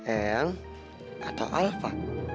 eang atau alva